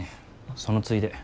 そのついで。